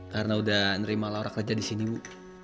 karena udah nerima laura kerja di sini bu